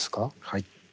はい。